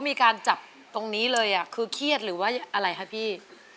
มีการจับตรงนี้เลยคือเครียดหรือว่าอะไรคะพี่